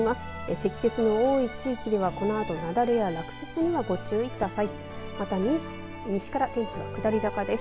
積雪が多い地域ではこのあと雪崩や落雪にもご注意ください。